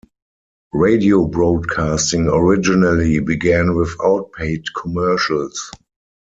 Radio broadcasting originally began without paid commercials.